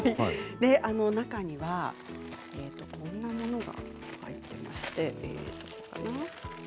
中には、こんなものが入っていまして。